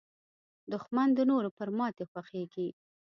دښمن د نورو پر ماتې خوښېږي